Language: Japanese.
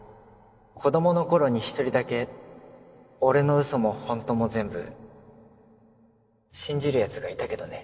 子どもの頃に１人だけ俺のウソもホントも全部信じるヤツがいたけどね